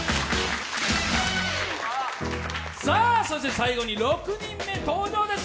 最後に６人目、登場です。